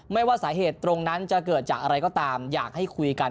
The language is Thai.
ว่าสาเหตุตรงนั้นจะเกิดจากอะไรก็ตามอยากให้คุยกัน